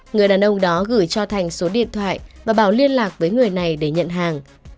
người đàn ông đó gửi cho thành số điện thoại và bảo liên lạc với người này để nhận hàng